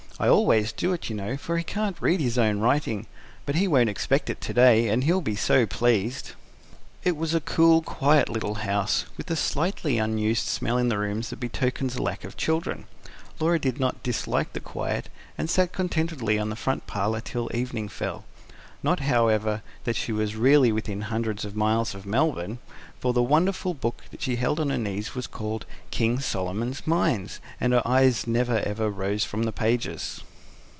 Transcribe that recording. I always do it, you know, for he can't read his own writing. But he won't expect it to day and he'll be so pleased." It was a cool, quiet little house, with the slightly unused smell in the rooms that betokens a lack of children. Laura did not dislike the quiet, and sat contentedly in the front parlour till evening fell. Not, however, that she was really within hundreds of miles of Melbourne; for the wonderful book that she held on her knee was called KING SOLOMON'S MINES, and her eyes never rose from the pages.